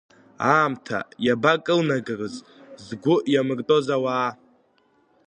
Аамҭа иабакылнагарыз згәы иамыртәоз ауаа.